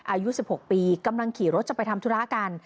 อายุ๑๖ปีกำลังขี่รถจะไปทำธุระกัน